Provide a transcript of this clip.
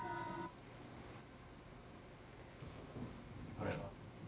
あれは？